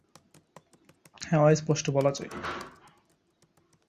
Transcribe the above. পথ পত্রিকার পাঠকদের সঠিক সংখ্যা অস্পষ্ট।